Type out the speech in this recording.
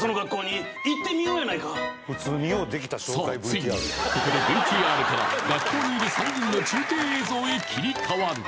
ついにここでＶＴＲから学校にいる３人の中継映像へ切り替わる！